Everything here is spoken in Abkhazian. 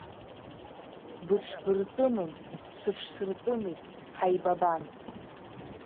Быҽбыртәымын, сыҽсыртәымит, ҳаибабан.